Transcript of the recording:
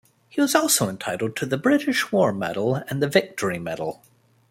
He was also entitled to the British War Medal and the Victory Medal.